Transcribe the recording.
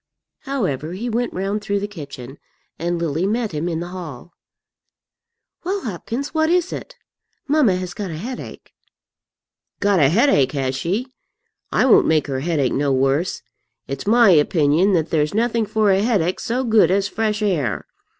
However, he went round through the kitchen, and Lily met him in the hall. "Well, Hopkins, what is it? Mamma has got a headache." "Got a headache, has she? I won't make her headache no worse. It's my opinion that there's nothing for a headache so good as fresh air.